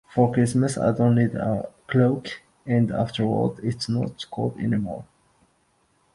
For Christmas, I don’t need a cloak, and afterwards, it’s not cold anymore.